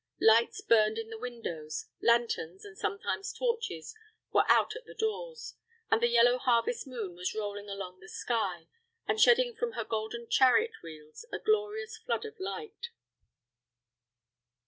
Lights burned in the windows; lanterns, and sometimes torches, were out at the doors, and the yellow harvest moon was rolling along the sky, and shedding from her golden chariot wheels a glorious flood of light.